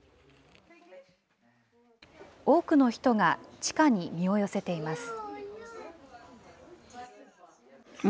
多くの人が地下に身を寄せています。